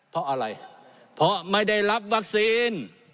เพราะอะไรเพราะไม่ได้รับวัคซีน